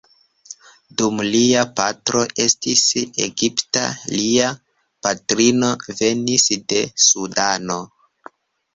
Dum lia patro estis Egipta, lia patrino venis de Sudano.